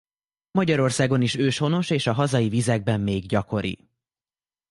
Magyarországon is őshonos és a hazai vizekben még gyakori.